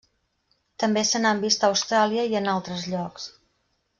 També se n'han vist a Austràlia i en altres llocs.